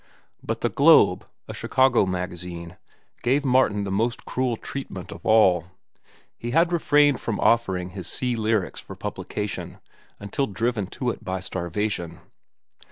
But The Globe, a Chicago magazine, gave Martin the most cruel treatment of all. He had refrained from offering his "Sea Lyrics" for publication, until driven to it by starvation.